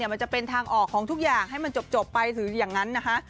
มันจะเป็นทางออกของทุกอย่างให้มันจบไปหรืออย่างนั้นนะคะ